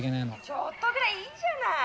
「ちょっとぐらいいいじゃない！